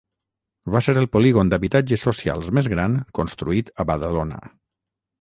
Va ser el polígon d'habitatges socials més gran construït a Badalona.